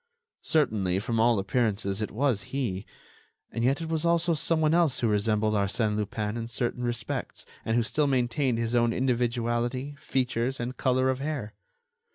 Certainly, from all appearances, it was he; and yet it was also someone else who resembled Arsène Lupin in certain respects, and who still maintained his own individuality, features, and color of hair.